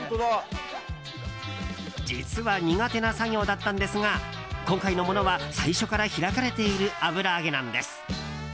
実は、苦手な作業だったんですが今回のものは最初から開かれている油揚げなんです。